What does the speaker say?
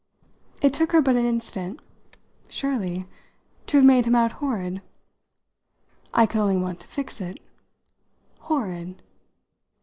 It took her but an instant. "Surely to have made him out horrid." I could only want to fix it. "'Horrid'